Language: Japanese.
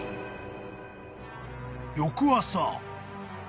［翌朝］